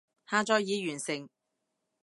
下載已完成